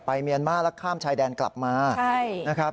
เมียนมาร์แล้วข้ามชายแดนกลับมานะครับ